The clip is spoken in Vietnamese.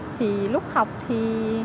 thì lúc học thì